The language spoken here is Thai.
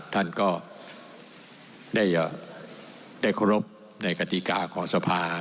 ท่านก็ได้เคารพในกติกาของสภา